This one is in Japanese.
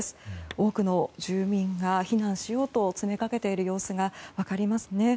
多くの住民が避難しようと詰め掛けている様子が分かりますね。